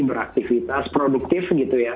beraktivitas produktif gitu ya